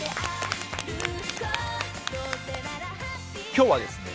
今日はですね